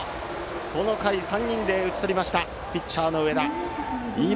この回、３人で打ち取りましたピッチャーの上田。